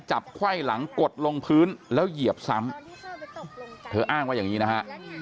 ไขว้หลังกดลงพื้นแล้วเหยียบซ้ำเธออ้างว่าอย่างนี้นะฮะ